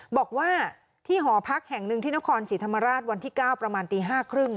บอกว่าที่หอพักแห่งหนึ่งที่นครศรีธรรมราชวันที่๙ประมาณตี๕๓๐